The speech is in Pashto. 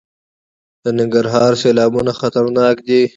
د ننګرهار سیلابونه خطرناک دي